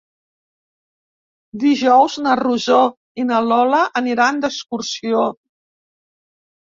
Dijous na Rosó i na Lola aniran d'excursió.